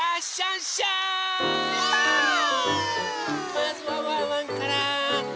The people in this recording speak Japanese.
まずはワンワンから。